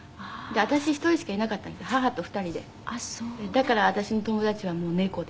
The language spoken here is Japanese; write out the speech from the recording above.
だから私の友達は猫で。